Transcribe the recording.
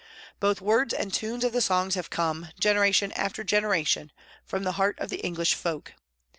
Both words and tunes of the songs have come, generation after generation, from the heart of the English folk.